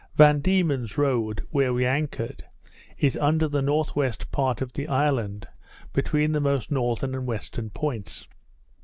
Van Diemen's Road, where we anchored, is under the northwest part of the island, between the most northern and western points.